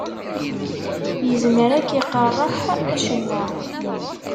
Yezmer ad k-iqerreḥ acemma.